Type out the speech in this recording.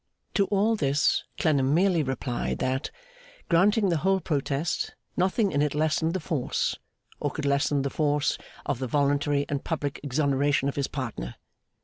To all this Clennam merely replied that, granting the whole protest, nothing in it lessened the force, or could lessen the force, of the voluntary and public exoneration of his partner.